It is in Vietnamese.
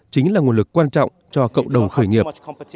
chính là nguồn lực quan trọng cho cộng đồng khởi nghiệp